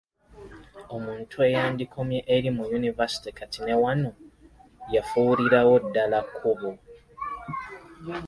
Omuntu ey’andikomye eri mu yunivasite kati ne wano yafuulirawo ddala kkubo.